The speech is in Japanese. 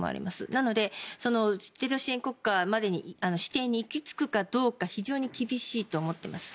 なので、テロ支援国家の指定に行き着くかどうか非常に厳しいと思っています。